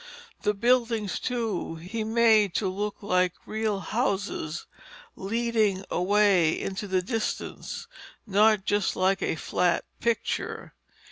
The buildings, too, he made to look like real houses leading away into the distance, and not just like a flat picture.